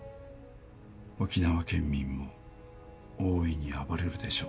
沖縄県民も大いに暴れるでしょう。